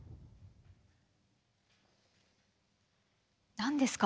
何ですか？